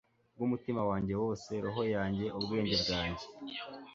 kubwumutima wanjye wose, roho yanjye, ubwenge bwanjye